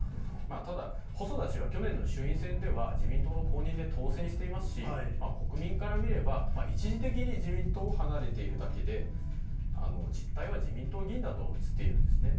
ただ、細田氏は去年の衆院選では、自民党の公認で当選していますし、国民から見れば、一時的に自民党を離れているだけで、実態は自民党議員だとうつっているんですね。